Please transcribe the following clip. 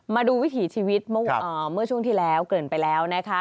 วิถีชีวิตเมื่อช่วงที่แล้วเกินไปแล้วนะคะ